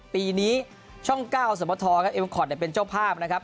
ปีนี้ช่อง๙สมทครับเอ็มคอร์ดเป็นเจ้าภาพนะครับ